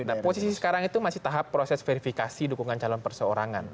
nah posisi sekarang itu masih tahap proses verifikasi dukungan calon perseorangan